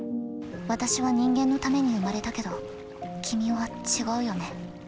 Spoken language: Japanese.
私は人間のために生まれたけど君は違うよね。